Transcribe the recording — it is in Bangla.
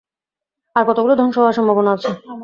আর কতগুলো ধ্বংস হওয়ার সম্ভাবনা আছে?